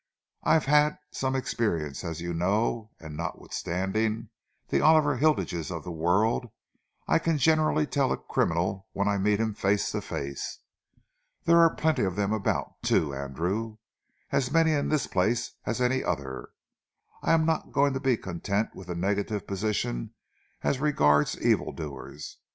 "I've had some experience, as you know, and, notwithstanding the Oliver Hilditch's of the world, I can generally tell a criminal when I meet him face to face. There are plenty of them about, too, Andrew as many in this place as any other. I am not going to be content with a negative position as regards evildoers.